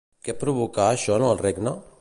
Què provoca això en el regne?